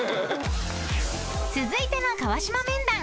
［続いての川島面談］